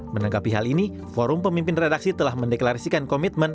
menanggapi hal ini forum pemimpin redaksi telah mendeklarisikan komitmennya